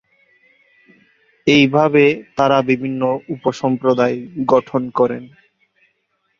এইভাবে তাঁরা বিভিন্ন উপ-সম্প্রদায় গঠন করেন।